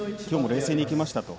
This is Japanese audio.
きょうも冷静にいきました。